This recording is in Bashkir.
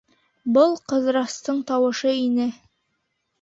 Был Ҡыҙырастың тауышы ине.